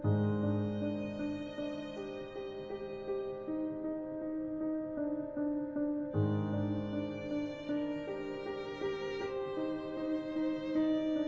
พ่อนะหนูรักพ่อนะ